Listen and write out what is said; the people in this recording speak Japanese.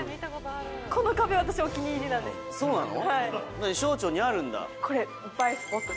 そうなの？